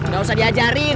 gak usah diajarin